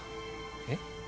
えっ？